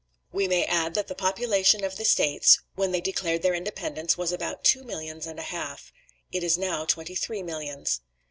We may add that the population of the States, when they declared their independence, was about two millions and a half; it is now twenty three millions.